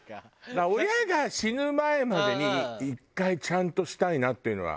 だから親が死ぬ前までに１回ちゃんとしたいなっていうのは。